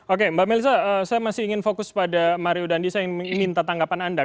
oke mbak melisa saya masih ingin fokus pada mario dandi saya minta tanggapan anda